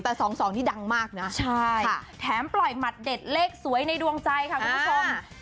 แต่๒๒นี่ดังมากนะใช่แถมปล่อยหมัดเด็ดเลขสวยในดวงใจค่ะคุณผู้ชม